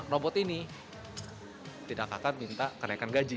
robot ini tidak akan minta kenaikan gaji